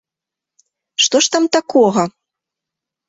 Што ж там такога?